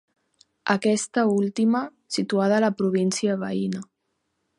Aquesta última situada a la província veïna.